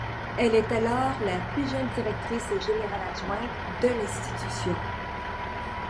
Elle est alors la plus jeune directrice générale adjointe de l'institution.